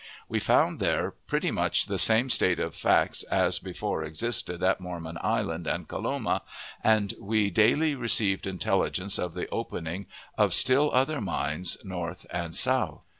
We found there pretty much the same state of facts as before existed at Mormon Island and Coloma, and we daily received intelligence of the opening of still other mines north and south.